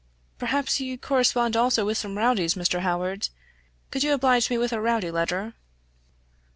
"Perhaps you correspond also with some rowdies, Mr. Howard? Could you oblige me with a rowdy letter?"